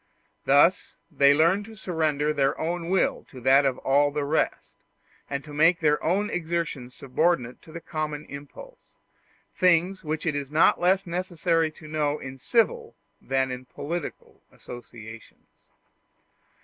Thus they learn to surrender their own will to that of all the rest, and to make their own exertions subordinate to the common impulse things which it is not less necessary to know in civil than in political associations.